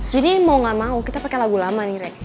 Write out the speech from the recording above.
jadi mau gak mau kita pake lagu lama nih re